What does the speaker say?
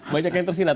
banyak yang tersilat